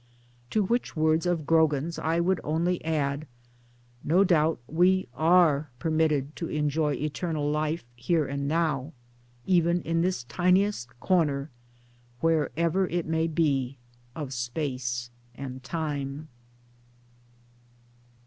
To which words of Grogan's I would only add :" No doubt we are permitted to enjoy eternal life here and now even in this tiniest corner, wherever it may be, of space and time.."